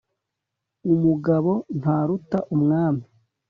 umugabo ntaruta umwami